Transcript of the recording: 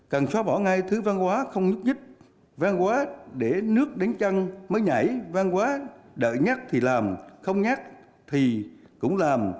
cần xóa bỏ ngay thứ văn hóa không nhúc nhích văn hóa để nước đánh chăng mới nhảy văn hóa đợi nhát thì làm không nhát thì cũng làm